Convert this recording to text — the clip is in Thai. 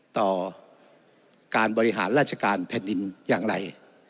ต่อการบริหารราชการแผ่นดินอย่างไร